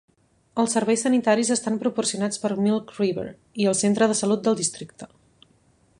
Els serveis sanitaris estan proporcionats per Milk River i el centre de salut del districte.